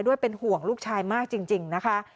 เป็นห่วงลูกชายมากจริงนะคะ